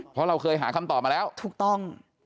เพราะเราเคยหาคำตอบมาแล้วถูกต้อง